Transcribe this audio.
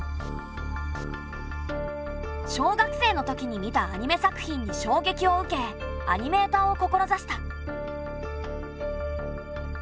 小学生のときに見たアニメ作品にしょうげきを受けアニメーターを志した。